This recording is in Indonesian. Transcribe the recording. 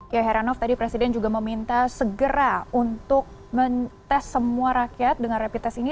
ya heranov tadi presiden juga meminta segera untuk men tes semua rakyat dengan rapid test ini